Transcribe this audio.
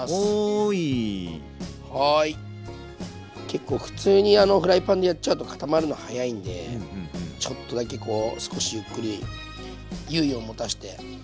結構普通にフライパンでやっちゃうと固まるの早いんでちょっとだけ少しゆっくり猶予を持たして。